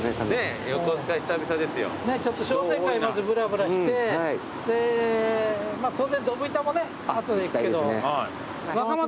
ちょっと商店街まずぶらぶらして当然ドブ板もね後で行くけど。